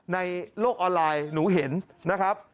ในโลกออนไลน์หนูเห็นนะครับ